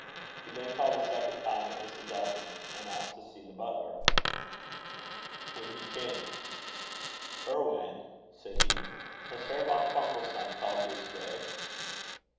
He then called a second time at Mrs. Elton's, and asked to see the butler. When he came: "Irwan," said he, "has Herr von Funkelstein called here to day?"